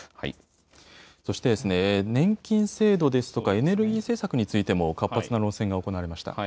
そして、年金制度ですとか、エネルギー政策についても、活発な論戦が行われました。